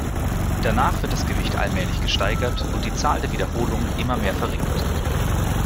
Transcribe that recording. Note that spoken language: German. Danach wird das Gewicht allmählich gesteigert und die Zahl der Wiederholung immer mehr verringert.